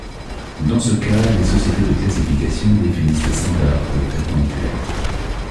Dans ce cas, les sociétés de classification définissent des standards pour les perpendiculaires.